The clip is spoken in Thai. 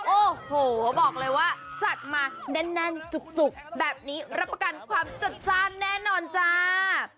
โอ้โหบอกเลยว่าจัดมาแน่นจุกแบบนี้รับประกันความจัดจ้านแน่นอนจ้า